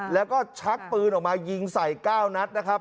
แล้วก็ชักปืนออกมายิงใส่๙นัดนะครับ